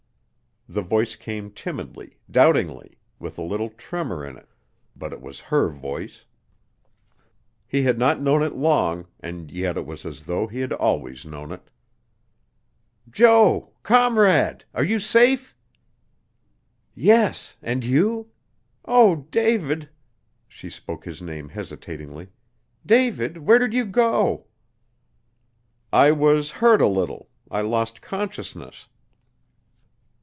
The voice came timidly, doubtingly with a little tremor in it, but it was her voice. He had not known it long, and yet it was as though he had always known it. "Jo comrade are you safe?" "Yes, and you? Oh, David!" she spoke his name hesitatingly, "David, where did you go?" "I was hurt a little. I lost consciousness."